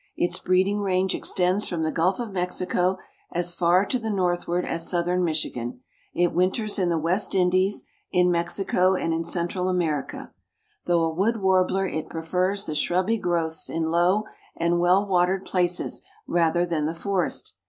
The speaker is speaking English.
Its breeding range extends from the Gulf of Mexico as far to the northward as southern Michigan. It winters in the West Indies, in Mexico, and in Central America. Though a wood warbler it prefers the shrubby growths in low and well watered places rather than the forest.